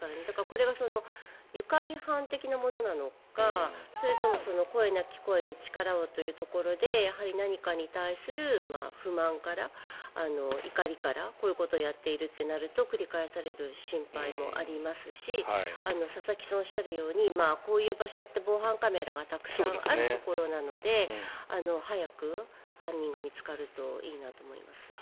これが愉快犯的なものなのかそれとも「声なき声に力を。」というところで何かに対する不満から、怒りからこういうことをやっているとなると繰り返される心配もありますし佐々木さんがおっしゃるようにこういうところって防犯カメラがたくさんあるところなので早く犯人が見つかるといいなと思います。